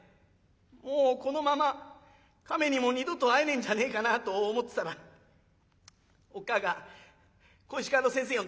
もうこのまま亀にも二度と会えねえんじゃねえかなと思ってたらおっ母ぁが小石川の先生呼んできちゃった。